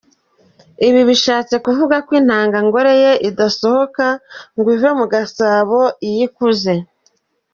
Aha bikaba bishatse kuvuga ko intangangore ye idasohoka ngo ive mu gasabo iyo yakuze.